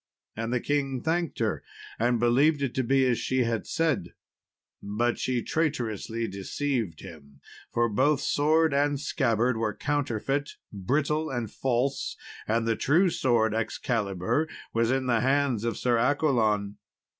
And the king thanked her, and believed it to be as she said; but she traitorously deceived him, for both sword and scabbard were counterfeit, brittle, and false, and the true sword Excalibur was in the hands of Sir Accolon.